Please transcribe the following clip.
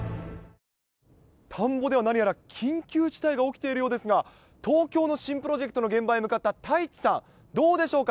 田んぼでは何やら、緊急事態が起きているようですが、東京の新プロジェクトの現場へ向かった太一さん、どうでしょうか？